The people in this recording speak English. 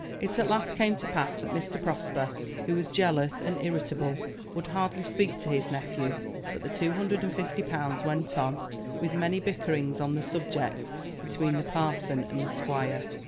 It at last came to pass that Mr. Prosper, who was jealous and irritable, would hardly speak to his nephew; but the two hundred and fifty pounds went on, with many bickerings on the subject between the parson and the squire.